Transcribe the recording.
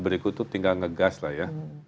berikut itu tinggal ngegas lah ya